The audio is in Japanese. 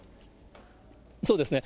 そうですね。